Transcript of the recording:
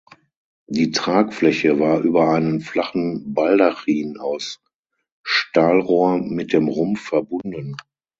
Die Tragfläche war über einen flachen Baldachin aus Stahlrohr mit dem Rumpf verbunden.